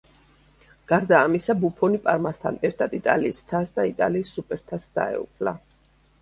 გარდა ამისა, ბუფონი პარმასთან ერთად იტალიის თასს და იტალიის სუპერთასს დაეუფლა.